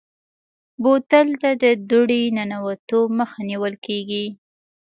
بوتل ته د دوړې ننوتو مخه نیول کېږي.